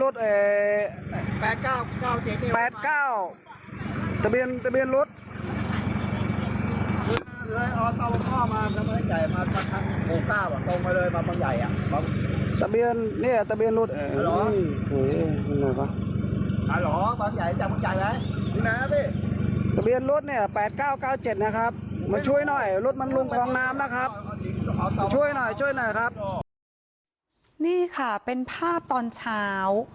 ช่วยหน่อยช่วยหน่อยครับนี่ค่ะเป็นภาพตอนเช้า